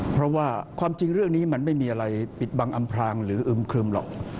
เพราะว่าความจริงเรื่องนี้มันไม่มีอะไรปิดบังอำพลางหรืออึมครึมหรอก